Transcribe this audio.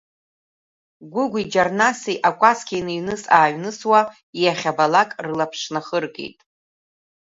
Гәыгәи Џьарнаси акәасқьа иныҩныс-ааҩнысуа, иахьабалак рылаԥш нахыргеит.